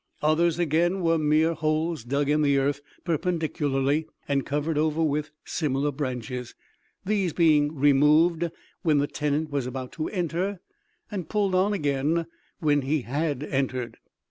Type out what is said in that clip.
Others, again, were mere holes dug in the earth perpendicularly, and covered over with similar branches, these being removed when the tenant was about to enter, and pulled on again when he had entered.